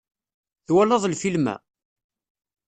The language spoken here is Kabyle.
Twalaḍ lfilm-a?